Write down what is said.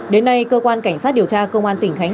đến nay cơ quan cảnh sát điều tra công an tỉnh khánh